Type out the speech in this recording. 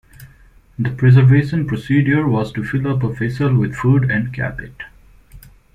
The preservation procedure was to fill up a vessel with food and cap it.